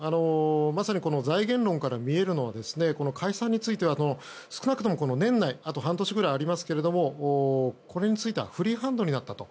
まさに財源論から見えるのは解散について少なくとも、年内あと半年くらいありますがこれについてはフリーハンドになったと。